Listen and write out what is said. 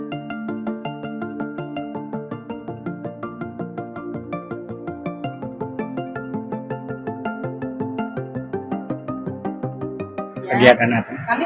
tapi kami sifatnya berbeda